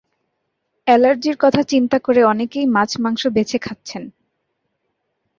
অ্যালার্জির কথা চিন্তা করে অনেকেই মাছ মাংস বেছে খাচ্ছেন।